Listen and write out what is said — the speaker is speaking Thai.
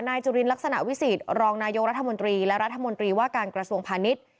จุลินลักษณะวิสิตรองนายกรัฐมนตรีและรัฐมนตรีว่าการกระทรวงพาณิชย์